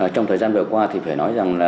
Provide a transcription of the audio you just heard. trong thời gian vừa qua thì phải nói rằng